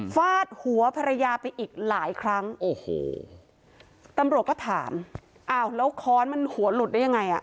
ฟาดหัวภรรยาไปอีกหลายครั้งโอ้โหตำรวจก็ถามอ้าวแล้วค้อนมันหัวหลุดได้ยังไงอ่ะ